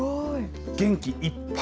元気いっぱい。